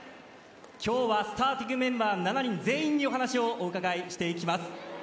今日はスターティングメンバー７人全員にお話をお伺いします。